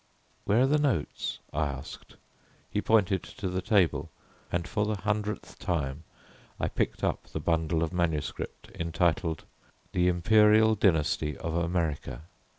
"Where are the notes?" I asked. He pointed to the table, and for the hundredth time I picked up the bundle of manuscript entitled "THE IMPERIAL DYNASTY OF AMERICA."